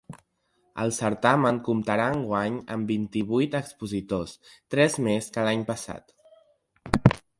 El certamen comptarà enguany amb vint-i-vuit expositors, tres més que l’any passat.